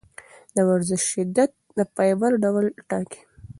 د ورزش شدت د فایبر ډول ټاکي.